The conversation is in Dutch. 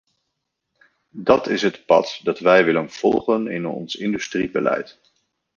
Dat is het pad dat wij willen volgen in ons industriebeleid.